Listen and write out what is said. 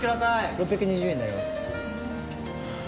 ６２０円になります。